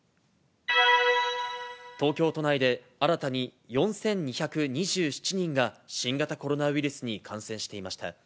東京都内で新たに４２２７人が、新型コロナウイルスに感染していました。